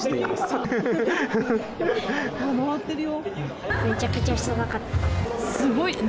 回ってるよ。